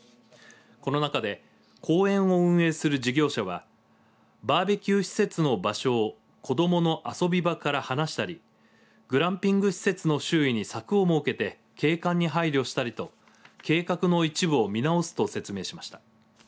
この中で公園を運営する事業者はバーベキュー施設の場所を子どもの遊び場から離したりグランピング施設の周囲に柵を設けて景観に配慮したりと計画の一部を見直すと説明しました。